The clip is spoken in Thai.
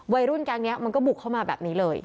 วัยรุ่นแก๊งนี้มันก็บุกเข้ามาแบบนี้เลย